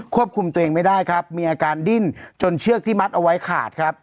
ควบคุมตัวเองไม่ได้ครับมีอาการดิ้นจนเชือกที่มัดเอาไว้ขาดครับ